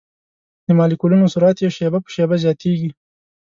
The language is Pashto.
د مالیکولونو سرعت یې شېبه په شېبه زیاتیږي.